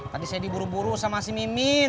tadi saya diburu buru sama si mimin